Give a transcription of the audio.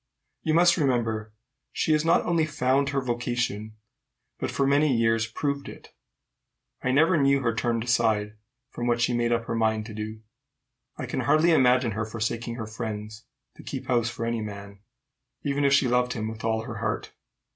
"You must remember she has not only found her vocation, but for many years proved it. I never knew her turned aside from what she had made up her mind to. I can hardly imagine her forsaking her friends to keep house for any man, even if she loved him with all her heart.